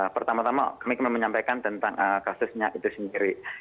pertama tama kami menyampaikan tentang kasusnya itu sendiri